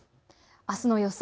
あすの予想